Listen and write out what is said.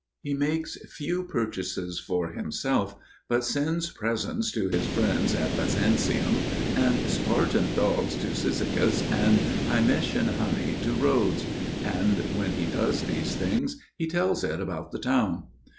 He makes few purchases for himself, but sends presents to his friends at Byzantium, and Spartan dogs to Cyzicus, and Hymettian honey to Rhodes; and when he does these things, he tells it about the town.